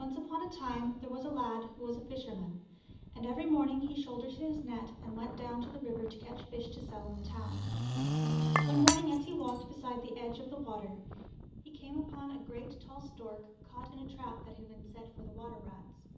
NCE upon a time there was a lad who was a fisher man, and every morning he shouldered his net, and went down to the river to catch fish to sell in the town. One morning as he walked beside the edge of the water, he came upon a great tall stork caught in a trap that had been set for the water rats.